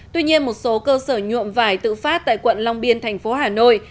tuy nhiên một số cơ sở nhuộm vải tự phát tại quận long biên thành phố hà nội